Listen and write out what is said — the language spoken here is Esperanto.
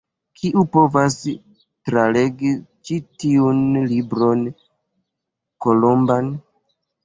Kiu povas tralegi ĉi tiun Libron Kolomban?